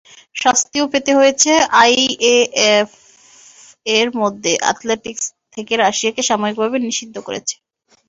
শাস্তিও পেতে হয়েছে, আইএএএফ এরই মধ্যে অ্যাথলেটিকস থেকে রাশিয়াকে সাময়িকভাবে নিষিদ্ধ করেছে।